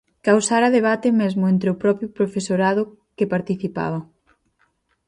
Causara debate mesmo entre o propio profesorado que participaba.